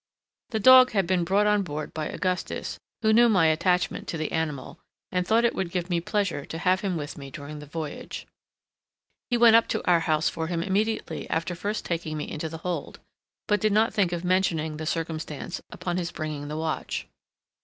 The dog had been brought on board by Augustus, who knew my attachment to the animal, and thought it would give me pleasure to have him with me during the voyage. He went up to our house for him immediately after first taking me into the hold, but did not think of mentioning the circumstance upon his bringing the watch.